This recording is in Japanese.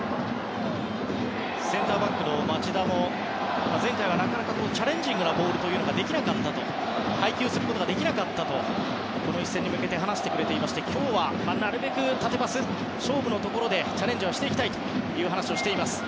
センターバックの町田も前回は、なかなかチャレンジングなボールを配球することができなかったとこの一戦に向けて話してくれていまして今日はなるべく縦パス勝負のところでチャレンジをしていきたいという話をしています。